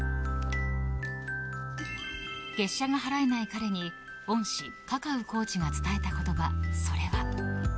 月謝が払えない彼に恩師・カカウコーチが伝えた言葉それが。